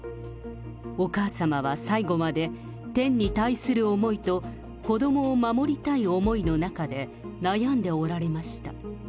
お母様は最後まで天に対する思いと子どもを守りたい思いの中で悩んでおられました。